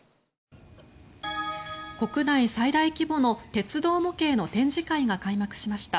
国内最大規模の鉄道模型の展示会が開幕しました。